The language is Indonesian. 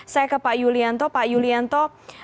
saya ke pak yulianto pak yulianto